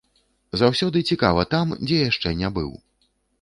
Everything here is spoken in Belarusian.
Заўсёды цікава там, дзе яшчэ не быў.